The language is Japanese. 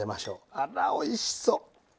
あらおいしそう！